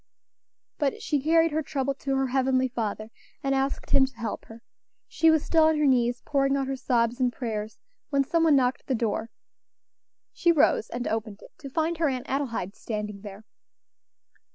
But she carried her trouble to her Heavenly Father, and asked Him to help her. She was still on her knees, pouring out her sobs and prayers, when some one knocked at the door. She rose and opened it to find her Aunt Adelaide standing there.